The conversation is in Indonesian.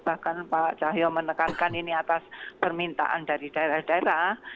bahkan pak cahyo menekankan ini atas permintaan dari daerah daerah